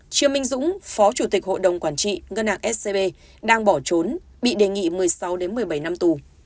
chiêm minh dũng phó chủ tịch hội đồng quản trị ngân hàng scb đang bỏ trốn bị đề nghị một mươi sáu một mươi bảy năm tù